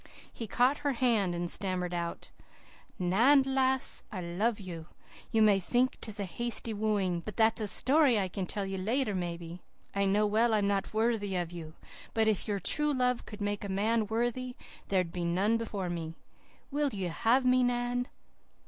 He caught her hand and stammered out, "'Nan, lass, I love you. You may think 'tis a hasty wooing, but that's a story I can tell you later maybe. I know well I'm not worthy of you, but if true love could make a man worthy there'd be none before me. Will you have me, Nan?